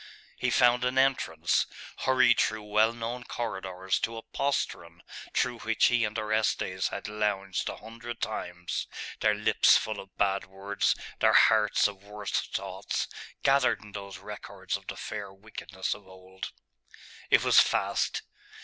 He found an entrance; hurried through well known corridors to a postern through which he and Orestes had lounged a hundred times, their lips full of bad words, their hearts of worse thoughts, gathered in those records of the fair wickedness of old.... It was fast.